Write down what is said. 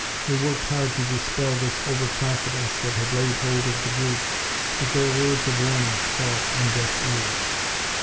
They worked hard to dispel this over confidence that had laid hold of the group, but their words of warning fell on deaf ears.